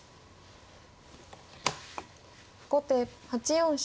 後手８四飛車。